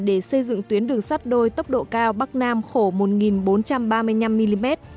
để xây dựng tuyến đường sắt đôi tốc độ cao bắc nam khổ một bốn trăm ba mươi năm mm